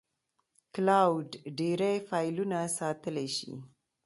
کلاوډ ډېری فایلونه ساتلی شي.